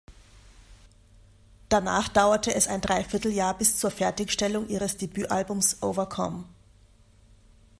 Danach dauerte es ein Dreivierteljahr bis zur Fertigstellung ihres Debütalbums "Overcome".